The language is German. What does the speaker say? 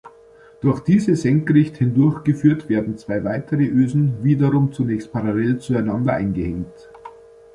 Durch diese senkrecht hindurchgeführt werden zwei weitere Ösen wiederum zunächst parallel zueinander eingehängt.